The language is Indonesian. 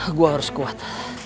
aku harus kuat